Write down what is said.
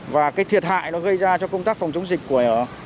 và cái thiệt hại nó gây ra cho công tác phòng chống dịch của